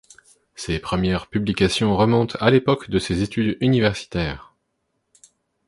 Ses premières publications remontent à l'époque de ses études universitaires.